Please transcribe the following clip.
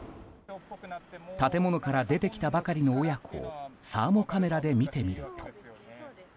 建物から出てきたばかりの親子をサーモカメラで見てみると。